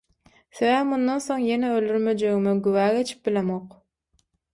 Sebäbi mundan soň ýene öldürmejegime güwa geçip bilemok.